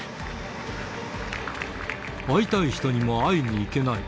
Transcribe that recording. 会いたい人にも会いに行けない。